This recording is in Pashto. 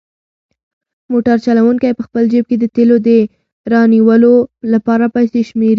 موټر چلونکی په خپل جېب کې د تېلو د رانیولو لپاره پیسې شمېري.